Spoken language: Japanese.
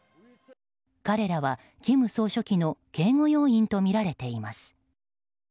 彼らは金総書記の警護要員とみられています。